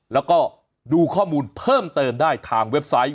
แล้วก็ดูข้อมูลเพิ่มเติมได้ทางเว็บไซต์